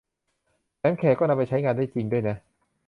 แถมแขกก็นำไปใช้งานได้จริงด้วยนะ